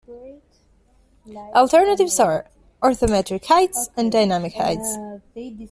Alternatives are: orthometric heights and dynamic heights.